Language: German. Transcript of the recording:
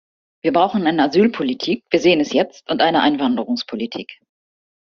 Wir brauchen eine Asylpolitik wir sehen es jetzt und eine Einwanderungspolitik.